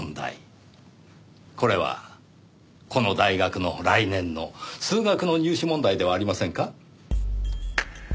これはこの大学の来年の数学の入試問題ではありませんか？